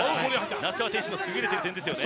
那須川天心の優れている点ですね。